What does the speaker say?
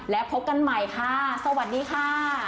และพบกันใหม่ค่ะสวัสดีค่ะ